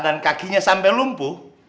dan kakinya sampai lumpuh